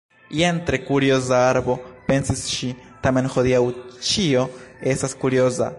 "Jen tre kurioza arbo," pensis ŝi. "Tamen hodiaŭ ĉio estas kurioza.